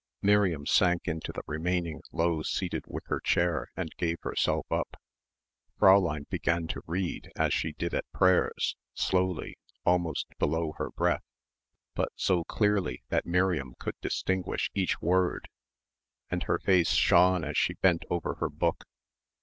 Miriam sank into the remaining low seated wicker chair and gave herself up. Fräulein began to read, as she did at prayers, slowly, almost below her breath, but so clearly that Miriam could distinguish each word and her face shone as she bent over her book.